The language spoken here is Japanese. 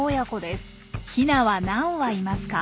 ヒナは何羽いますか？